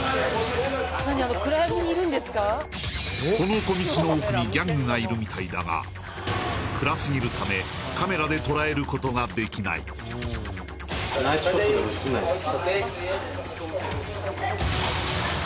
この小道の奥にギャングがいるみたいだが暗すぎるためカメラで捉えることができないうんまあ